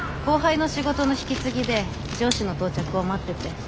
後輩の仕事の引き継ぎで上司の到着を待ってて。